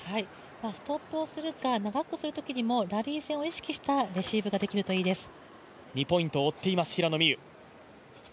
ストップをするか長くするときにもラリー戦を意識したレシーブができるといいです。